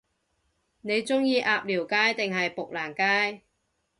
你鍾意鴨寮街定係砵蘭街？